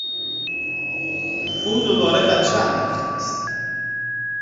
او دوبار بچه انداخته است.